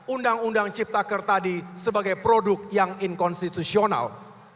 undang undang cipta kerja tadi sebagai produk yang inkonstitusional